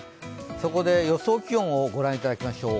そこで予想気温を御覧いただきましょう。